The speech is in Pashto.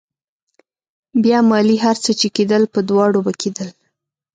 بيا مالې هر څه چې کېدل په دواړو به کېدل.